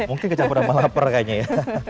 mungkin kecapur sama lapar kayaknya ya